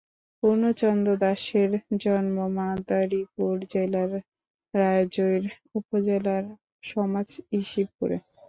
পূর্ণচন্দ্র দাসের জন্ম মাদারিপুর জেলার রাজৈর উপজেলার সমাজ ইশিবপুরে।